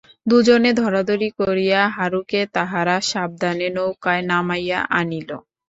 দুজনে ধরাধরি করিয়া হারুকে তাহারা সাবধানে নৌকায় নামাইয়া আনিল।